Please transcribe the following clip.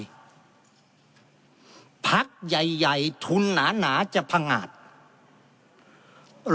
ภักดิ์เล็กภักดิ์น้อยจะหายไปภักดิ์ใหญ่ใหญ่ทุนหนาหนาจะพังอาจ